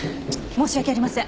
申し訳ありません。